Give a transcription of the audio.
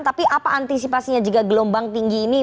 tapi apa antisipasinya jika gelombang tinggi ini